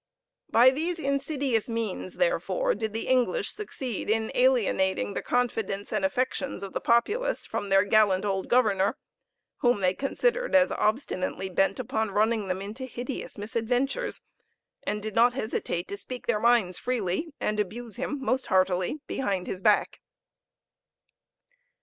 By these insidious means, therefore, did the English succeed in alienating the confidence and affections of the populace from their gallant old governor, whom they considered as obstinately bent upon running them into hideous misadventures; and did not hesitate to speak their minds freely, and abuse him most heartily, behind his back.